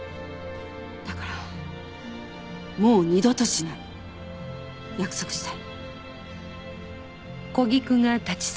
だからもう二度としない約束して。